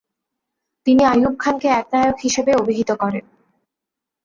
তিনি আইয়ুব খানকে একনায়ক হিসেবে অবিহিত করেন।